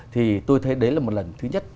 thì tôi thấy đấy là một lần thứ nhất